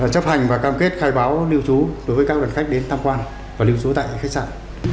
chấp hành và cam kết khai báo lưu trú đối với các đoàn khách đến tham quan và lưu trú tại khách sạn